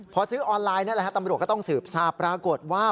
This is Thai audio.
พอซื้อออนไลน์นั่นแหละฮะตำรวจก็ต้องสืบทราบปรากฏว่า